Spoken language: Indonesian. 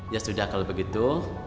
ya sudah kalau begitu